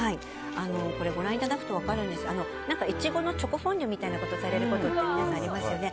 ご覧いただくと分かるんですがイチゴのチョコフォンデュのようなことをされること皆さんありますよね。